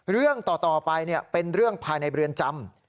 เรื่องต่อไปเป็นเรื่องภายในเรือนจำ